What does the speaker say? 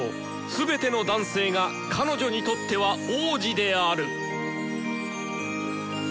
全ての男性が彼女にとっては王子である！